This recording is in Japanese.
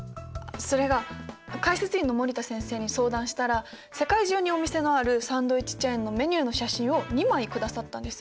それが解説委員の森田先生に相談したら世界中にお店のあるサンドイッチチェーンのメニューの写真を２枚下さったんです。